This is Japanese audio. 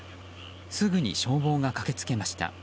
すぐに消防が駆けつけました。